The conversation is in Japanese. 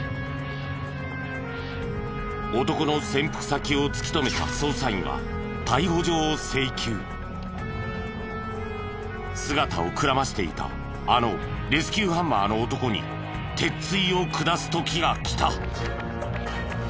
男の潜伏先を突き止めた捜査員は姿をくらましていたあのレスキューハンマーの男に鉄槌を下す時がきた。